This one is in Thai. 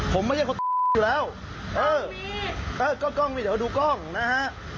ผมไม่ใช่คนอยู่แล้วเออกล้องมีเดี๋ยวดูกล้องนะฮะ